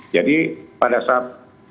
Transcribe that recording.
jadi pada saat